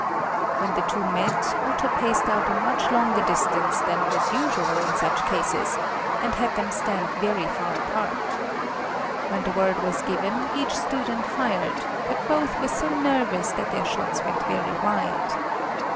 When the two met Otto paced out a much longer distance than was usual in such cases, and had them stand very far apart. When the word was given each student fired, but both were so nervous that their shots went very wide.